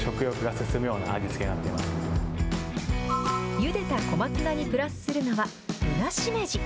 ゆでた小松菜にプラスするのは、ぶなしめじ。